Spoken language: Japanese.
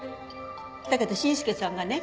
だけど伸介さんがね